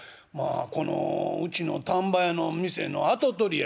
このうちの丹波屋の店の跡取りや」。